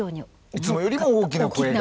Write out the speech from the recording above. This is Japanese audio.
いつもよりも大きな声が。